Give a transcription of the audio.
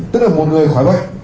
tức là một người khỏi bệnh